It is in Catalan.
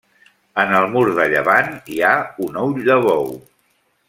En el mur de llevant hi ha un ull de bou.